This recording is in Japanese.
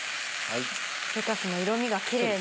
レタスの色みがキレイに。